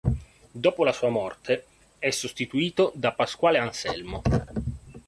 Dopo la sua morte, è sostituito da Pasquale Anselmo.